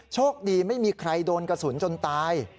โชคดีไม่มีใครโดนกระสุนจนตาย